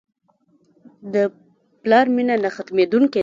د پلار مینه نه ختمېدونکې ده.